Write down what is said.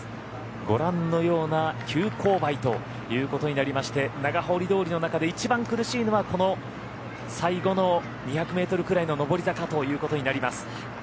ご覧のような急勾配ということになりまして長堀通の中で一番苦しいのはこの最後の２００ｍくらいの上り坂ということになります。